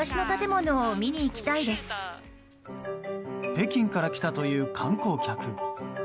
北京から来たという観光客。